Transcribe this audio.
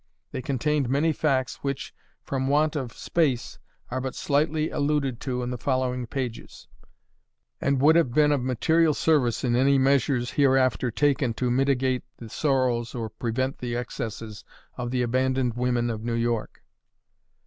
They contained many facts which, from want of space, are but slightly alluded to in the following pages, and would have been of material service in any measures hereafter taken to mitigate the sorrows or prevent the excesses of the abandoned women of New York.